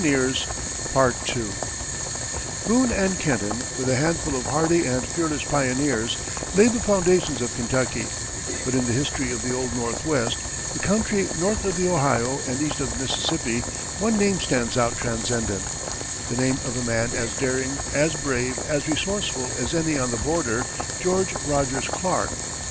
Boone and Kenton, with a handful of hardy and fearless pioneers, laid the foundations of Kentucky; but in the history of the "Old Northwest," the country north of the Ohio and east of the Mississippi, one name stands out transcendent; the name of a man as daring, as brave, as resourceful as any on the border George Rogers Clark.